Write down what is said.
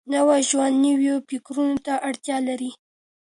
نوی ژوند نويو فکرونو ته اړتيا لري.